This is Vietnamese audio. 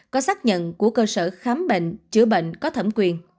có xác nhận của cơ sở khám bệnh chữa bệnh có thẩm quyền